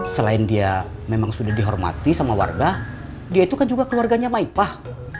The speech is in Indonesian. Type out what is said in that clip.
selain dia memang sudah dihormati sama warga dia itu kan juga keluarganya maipah